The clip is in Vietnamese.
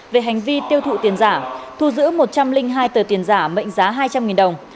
về hành vi tiêu thụ tiền giả thu giữ một trăm linh hai tờ tiền giả mệnh giá hai trăm linh đồng